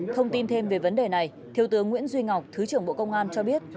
thông tin thêm về vấn đề này thiếu tướng nguyễn duy ngọc thứ trưởng bộ công an cho biết